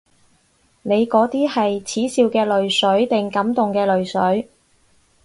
你嗰啲係恥笑嘅淚水定感動嘅淚水？